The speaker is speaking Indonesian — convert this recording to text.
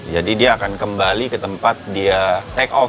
jadi dia akan kembali ke tempat dia take off